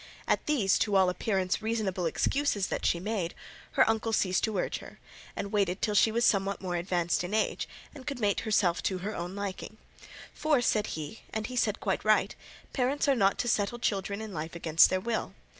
At these, to all appearance, reasonable excuses that she made, her uncle ceased to urge her, and waited till she was somewhat more advanced in age and could mate herself to her own liking. For, said he and he said quite right parents are not to settle children in life against their will.